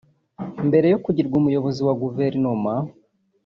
Mbere yo kugirwa Umuyobozi wa Guverinoma